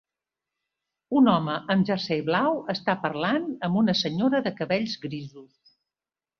un home amb un jersei blau està parlant amb una senyora de cabells grisos.